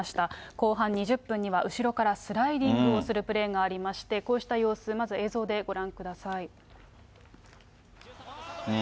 後半２０分には、後ろからスライディングをするプレーがありまして、こうした様子、まず映像でご覧ください。